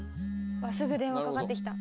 すぐ電話かかってきた。